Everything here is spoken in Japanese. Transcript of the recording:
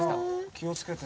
気を付けて。